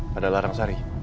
pada larang sari